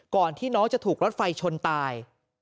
ก่อนที่น้องจะถูกรถไฟชนตาย